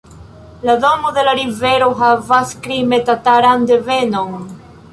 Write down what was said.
La nomo de la rivero havas krime-tataran devenon.